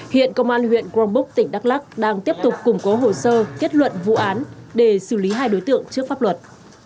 hiện công an huyện crongbuk tỉnh đắk lắc đang tiếp tục củng cố hồ sơ kết luận vụ án để xử lý hai đối tượng trước pháp luật